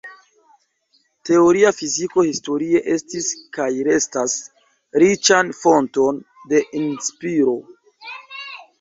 Teoria fiziko historie estis, kaj restas, riĉan fonton de inspiro.